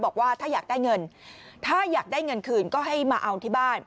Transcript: บอกว่าถ้าอยากได้เงินถ้าอยากได้เงินคืนก็ให้มาเอาที่บ้าน